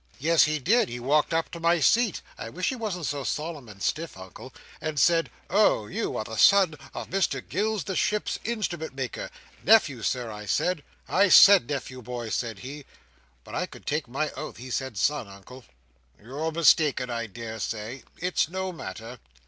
"Yes he did. He walked up to my seat,—I wish he wasn't so solemn and stiff, Uncle,—and said, 'Oh! you are the son of Mr Gills the Ships' Instrument maker.' 'Nephew, Sir,' I said. 'I said nephew, boy,' said he. But I could take my oath he said son, Uncle." "You're mistaken I daresay. It's no matter."